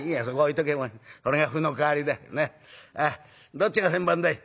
どっちが先番だい？」。